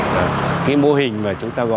cái mô hình mà chúng ta gọi là